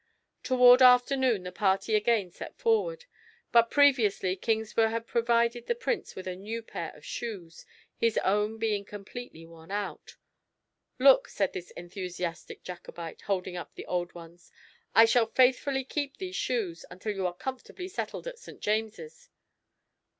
Toward afternoon the party again set forward, but previously Kingsburgh had provided the Prince with a new pair of shoes, his own being completely worn out. "Look," said this enthusiastic Jacobite, holding up the old ones, "I shall faithfully keep these shoes until you are comfortably settled at St. James.